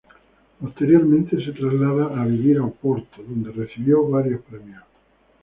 Posteriormente se traslad´a vivir a Oporto, donde recibió varios premios.